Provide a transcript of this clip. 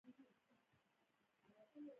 د دهراوت په غرونو کښې له طالبانو سره يوځاى سوم.